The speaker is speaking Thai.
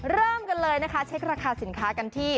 เริ่มกันเลยนะคะเช็คราคาสินค้ากันที่